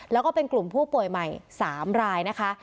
แล้วก็เป็นกลุ่มผู้ป่วยใหม่๓รายนะคะ